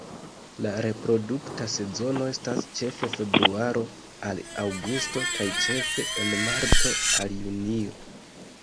La reprodukta sezono estas ĉefe februaro al aŭgusto kaj ĉefe en marto al junio.